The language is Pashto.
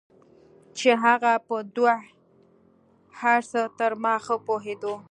چې هغه په دو هرڅه تر ما ښه پوهېدو.